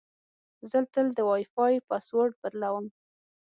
زه تل د وای فای پاسورډ بدلوم.